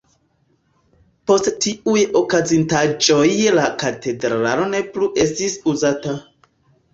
Post tiuj okazintaĵoj la katedralo ne plu estis uzata.